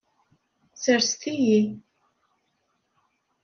Serset-iyi.